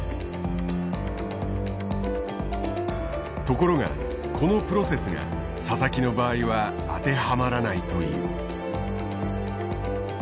ところがこのプロセスが佐々木の場合は当てはまらないという。